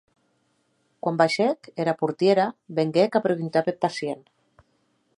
Quan baishèc, era portièra venguec a preguntar peth pacient.